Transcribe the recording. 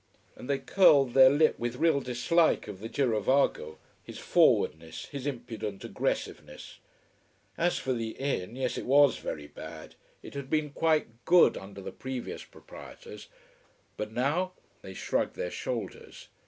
And they curled their lip with real dislike of the girovago: his forwardness, his impudent aggressiveness. As for the inn, yes, it was very bad. It had been quite good under the previous proprietors. But now they shrugged their shoulders.